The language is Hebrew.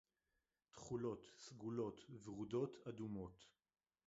תכולות, סגולות, ורודות, אדומות.